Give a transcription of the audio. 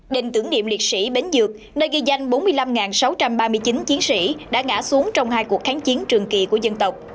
đền tưởng niệm liệt sĩ bến dược nơi ghi danh bốn mươi năm sáu trăm ba mươi chín chiến sĩ đã ngã xuống trong hai cuộc kháng chiến trường kỳ của dân tộc